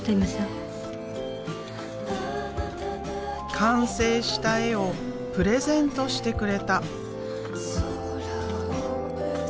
完成した絵をプレゼントしてくれた。